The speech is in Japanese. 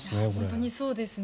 本当にそうですね。